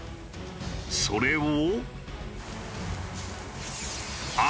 それを。